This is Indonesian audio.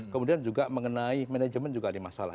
kemudian juga mengenai manajemen juga ada masalah